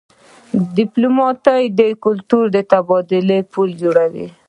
ډيپلومات د کلتوري تبادلو پل جوړوي.